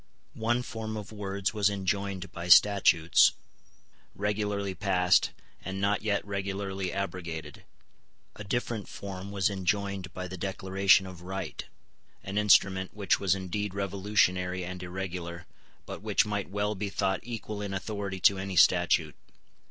One form of words was enjoined by statutes, regularly passed, and not yet regularly abrogated. A different form was enjoined by the Declaration of Right, an instrument which was indeed revolutionary and irregular, but which might well be thought equal in authority to any statute.